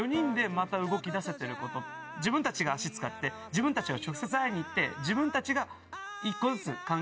自分たちが足使って自分たちが直接会いに行って。